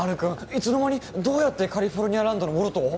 いつの間にどうやってカリフォルニアランドのウォルトを？